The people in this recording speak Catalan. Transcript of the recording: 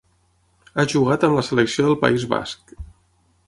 Ha jugat amb la Selecció del País Basc.